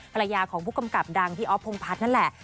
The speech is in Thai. ภรรยาของผู้กำกับดังพี่อ๊อฟพงพัฒน์นั่นแหละ